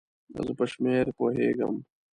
زه په شمېر پوهیږم